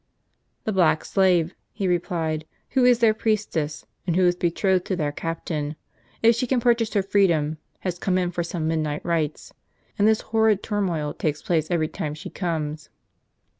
"" The black slave," he replied, " who is their priestess, and who is betrothed to their captain, if she can purchase her freedom, has come in for some midnight rites, and this horrid turmoil takes place every time she comes."